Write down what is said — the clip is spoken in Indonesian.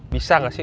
bisa gak sih